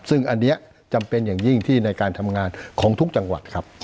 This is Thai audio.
ซึ่งอันนี้จำเป็นอย่างยิ่งที่ในการทำงานของทุกจังหวัดครับ